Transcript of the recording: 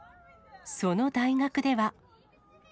その大学では。